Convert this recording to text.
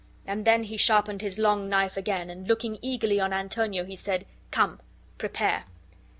And then he sharpened his long knife again, and looking eagerly on Antonio, he said, "Come, prepare!"